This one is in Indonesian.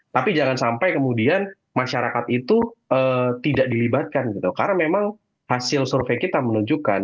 tapi jangan sampai kemudian masyarakat itu tidak dilibatkan gitu karena memang hasil survei kita menunjukkan